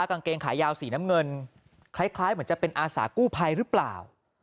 กางเกงขายาวสีน้ำเงินคล้ายเหมือนจะเป็นอาสากู้ภัยหรือเปล่า